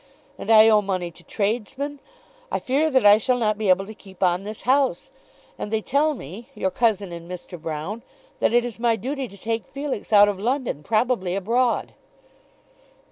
And I owe money to tradesmen. I fear that I shall not be able to keep on this house. And they tell me, your cousin and Mr. Broune, that it is my duty to take Felix out of London, probably abroad."